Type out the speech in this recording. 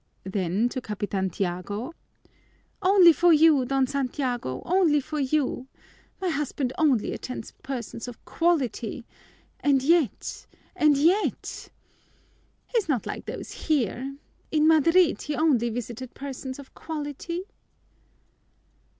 Then to Capitan Tiago, "Only for you, Don Santiago, only for you! My husband only attends persons of quality, and yet, and yet ! He's not like those here. In Madrid he only visited persons of quality."